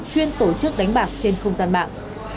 chuyên tổ chức đánh bạc trên không gian mạng